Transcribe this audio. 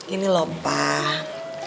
ini loh pak